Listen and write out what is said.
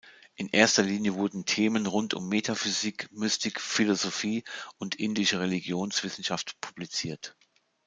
In erster Linie wurden Themen rund um Metaphysik, Mystik, Philosophie und indische Religionswissenschaft publiziert.